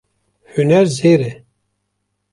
Huner zêr e.